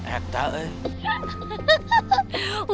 eh tau ya